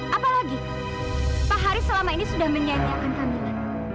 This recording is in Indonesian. apalagi pak haris selama ini sudah menyediakan kamila